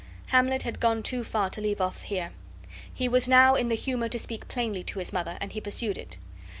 Hamlet had gone too far to leave off here. He was now in the humor to speak plainly to his mother, and he pursued it.